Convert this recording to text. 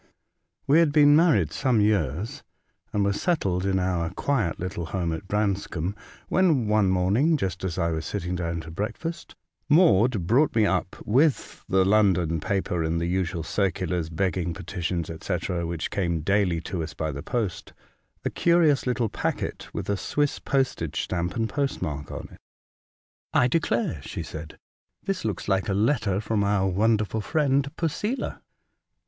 WE had been inarried some years, and were settled in our quiet little home at Branscombe, when one morning, just as I was sitting down to breakfast, Maude brought me up with the London paper, and the usual circulars, begging petitions, &c., which came daily to us by the post, a curious little packet with a Swiss postage stamp and post mark on it. I declare," she said, '' this looks like a letter from our wonderful friend, Posela."